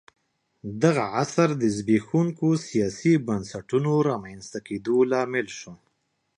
دغه عصر د زبېښونکو سیاسي بنسټونو رامنځته کېدو لامل شو